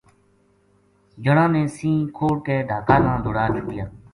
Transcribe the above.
جنا نے سَینہ کھوڑ کے ڈھاکا نا دوڑا چھوڈیا